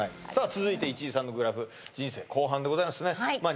続いて市井さんのグラフ人生後半でございますねまあ